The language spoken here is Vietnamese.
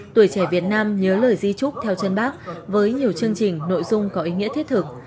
tuổi trẻ việt nam nhớ lời di trúc theo chân bác với nhiều chương trình nội dung có ý nghĩa thiết thực